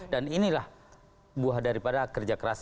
dan inilah buah daripada kerja keras